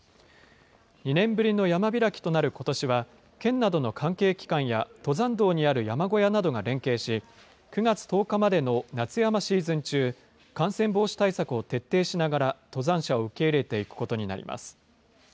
２年ぶりの山開きとなることしは、県などの関係機関や登山道にある山小屋などが連携し、９月１０日までの夏山シーズン中、感染防止対策を徹底しながら、登山者を受け入れていくことになります。